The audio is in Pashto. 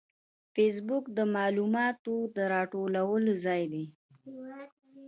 فېسبوک د معلوماتو د راټولولو ځای دی